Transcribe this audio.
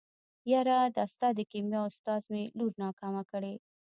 يره دا ستا د کيميا استاد مې لور ناکامه کړې.